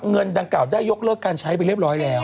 เงินดังกล่าวได้ยกเลิกการใช้ไปเรียบร้อยแล้ว